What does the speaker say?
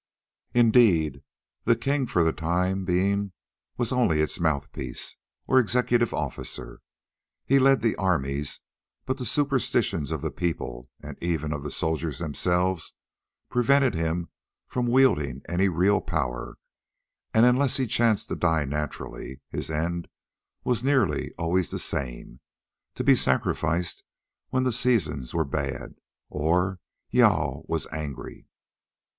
Indeed, the king for the time being was only its mouthpiece, or executive officer. He led the armies, but the superstitions of the people, and even of the soldiers themselves, prevented him from wielding any real power; and, unless he chanced to die naturally, his end was nearly always the same: to be sacrificed when the seasons were bad or "Jâl was angry."